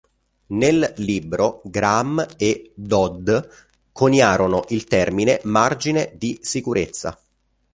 Nel libro Graham e Dodd coniarono il termine margine di sicurezza.